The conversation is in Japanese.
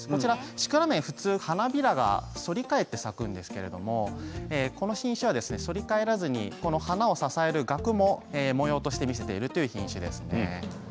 シクラメンは普通、花びらが反り返って咲くんですけれどもこの品種は反り返らずに花を支えるガクも模様として見せているという品種です。